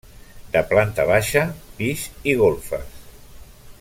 De planta baixa, pis i golfes.